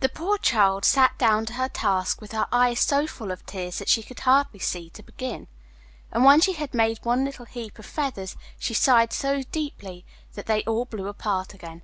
The poor child sat down to her task with her eyes so full of tears that she could hardly see to begin. And when she had made one little heap of feathers, she sighed so deeply that they all blew apart again.